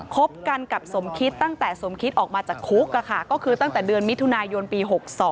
คบกันกับสมคิดตั้งแต่สมคิตออกมาจากคุกก็คือตั้งแต่เดือนมิถุนายนปี๖๒